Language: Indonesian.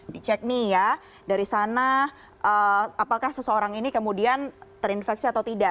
dicek nih ya dari sana apakah seseorang ini kemudian terinfeksi atau tidak